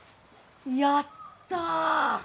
やった！